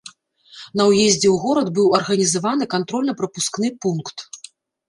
На ўездзе ў горад быў арганізаваны кантрольна-прапускны пункт.